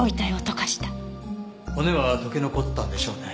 骨は溶け残ったんでしょうね。